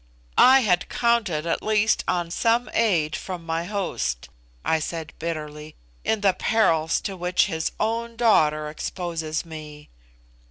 "I had counted, at least, on some aid from my host," I said bitterly, "in the perils to which his own daughter exposes me."